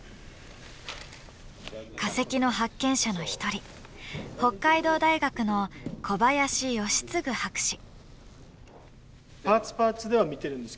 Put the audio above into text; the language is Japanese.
化石の発見者の一人北海道大学の小林快次博士。